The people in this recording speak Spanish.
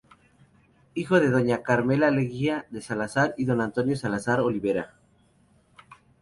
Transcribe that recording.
Hija de doña Carmela Leguía de Salazar y don Antonio Salazar Olivera.